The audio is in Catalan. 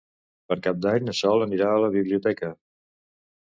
Per Cap d'Any na Sol anirà a la biblioteca.